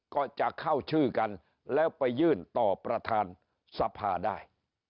ก็จะเข้าชื่อกันแล้วไปยื่นต่อประธานสภาได้